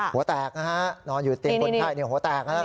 หัวแตกนะฮะนอนอยู่เตียงคนไข้หัวแตกนะครับ